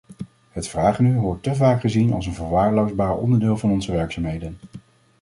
Het vragenuur wordt te vaak gezien als een verwaarloosbaar onderdeel van onze werkzaamheden.